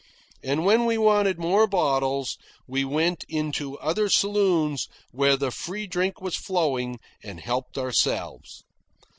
And when we wanted more bottles, we went into other saloons where the free drink was flowing, and helped ourselves.